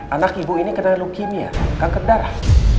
anak ibu ini kena leukemia kanker darah